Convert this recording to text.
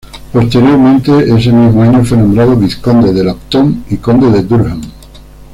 Posteriormente ese mismo año fue nombrado Vizconde de Lambton y Conde de Durham.